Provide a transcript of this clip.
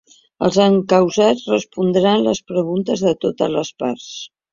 Els encausats respondran les preguntes de totes les parts.